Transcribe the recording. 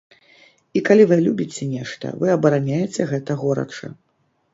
І калі вы любіце нешта, вы абараняеце гэта горача.